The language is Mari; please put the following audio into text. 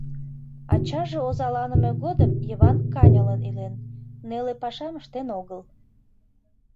Ачаже озаланыме годым Йыван каньылын илен, неле пашам ыштен огыл.